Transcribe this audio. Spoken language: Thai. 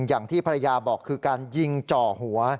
อย่างที่ภรรยาบอกคือการยิงจ่อหัว